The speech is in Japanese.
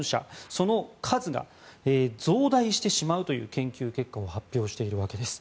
その数が増大してしまうという研究結果を発表しているわけです。